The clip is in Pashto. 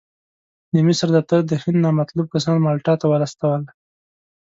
د مصر دفتر د هند نامطلوب کسان مالټا ته واستول.